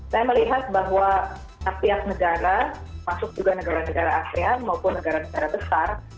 saya melihat bahwa setiap negara masuk juga negara negara asean maupun negara negara besar